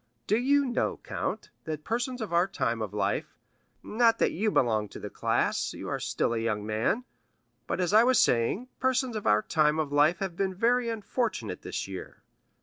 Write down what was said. Do you know, count, that persons of our time of life—not that you belong to the class, you are still a young man,—but as I was saying, persons of our time of life have been very unfortunate this year.